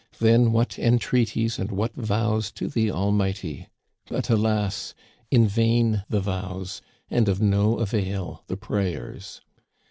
Then what entreaties and what vows to the Almighty ! But, alas ! in vain the vows, and of no avail the prayers